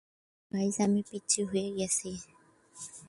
Guys, আমি পিচ্চি হয়ে গেছি!